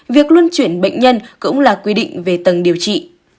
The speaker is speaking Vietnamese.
việc luân chuyển bệnh nhân cũng là quy định về tầng điều trị